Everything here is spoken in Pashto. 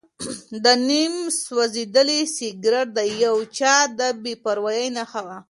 دا نیم سوځېدلی سګرټ د یو چا د بې پروایۍ نښه وه.